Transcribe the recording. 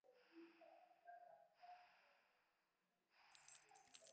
Mapishi Bora ya Viazi lishe hutunza kutunza virutubisho